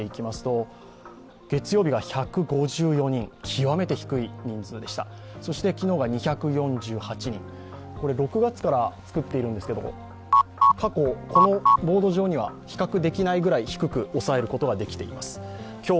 昨日が２４８人、６月から作っているんですが、過去、ボード上には比較的ないぐらい低く抑えられています。